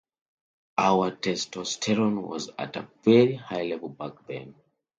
Our testosterone was at a very high level back then.